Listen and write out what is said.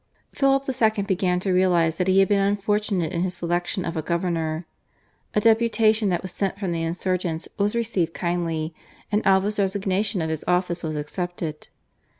Philip II. began to realise that he had been unfortunate in his selection of a governor. A deputation that was sent from the insurgents was received kindly, and Alva's resignation of his office was accepted.